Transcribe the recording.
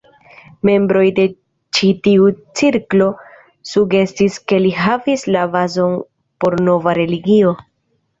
Membroj de ĉi tiu cirklo sugestis ke li havis la bazon por nova religio.